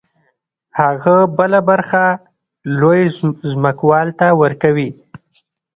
هغه بله برخه لوی ځمکوال ته ورکوي